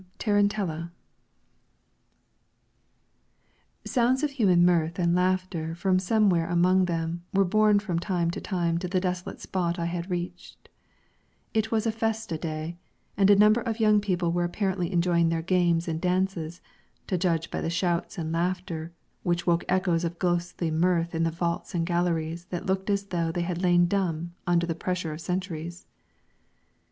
FROM 'TARANTELLA' Sounds of human mirth and laughter from somewhere among them were borne from time to time to the desolate spot I had reached. It was a Festa day, and a number of young people were apparently enjoying their games and dances, to judge by the shouts and laughter which woke echoes of ghostly mirth in the vaults and galleries that looked as though they had lain dumb under the pressure of centuries.